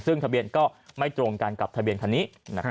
ซึ่งทะเบียนก็ไม่ตรงกันกับทะเบียนคันนี้